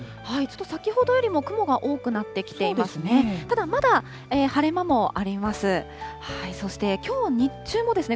先ほどよりも雲が多くなってきていますね。